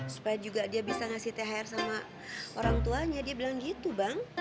supaya juga dia bisa ngasih thr sama orang tuanya dia bilang gitu bang